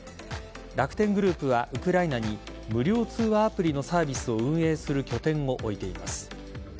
楽天グループはウクライナに無料通話アプリのサービスを運営する拠点を置いています。